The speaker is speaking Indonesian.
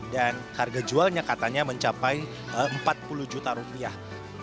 dan harga jualnya katanya mencapai empat puluh juta rupiah